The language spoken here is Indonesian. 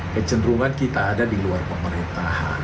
kecenderungan kita ada di luar pemerintahan